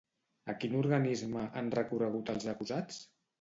A quin organisme han recorregut els acusats?